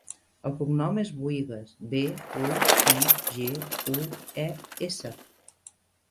El cognom és Buigues: be, u, i, ge, u, e, essa.